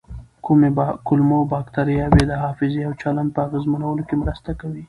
کولمو بکتریاوې د حافظې او چلند په اغېزمنولو کې مرسته کوي.